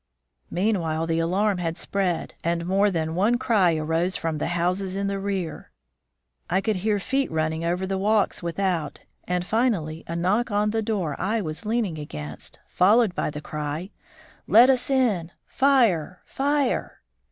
Meanwhile, the alarm had spread, and more than one cry arose from the houses in the rear. I could hear feet running over the walks without, and finally a knock on the door I was leaning against, followed by the cry: "Let us in! Fire! fire!"